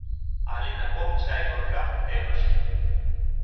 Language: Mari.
Алина кок чайгоркам темыш.